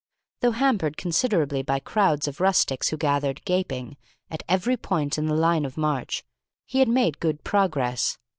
Though hampered considerably by crowds of rustics who gathered, gaping, at every point in the line of march, he had made good progress.